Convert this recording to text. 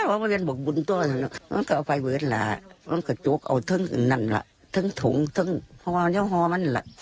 มันก็เอาไปเหมือนกันแหละมันก็โจ๊กเอาทั้งทั้งนั่นแหละทั้งถุงทั้งฮอมันแหละ